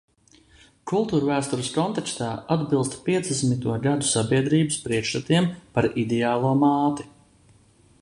Kultūrvēstures kontekstā – atbilst piecdesmito gadu sabiedrības priekšstatiem par ideālo māti.